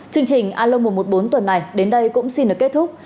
chương trình a lông một trăm một mươi bốn tuần này đến đây cũng xin được kết thúc